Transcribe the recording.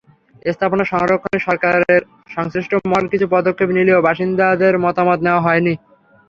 স্থাপনা সংরক্ষণে সরকারের সংশ্লিষ্ট মহল কিছু পদক্ষেপ নিলেও বাসিন্দাদের মতামত নেওয়া হয়নি।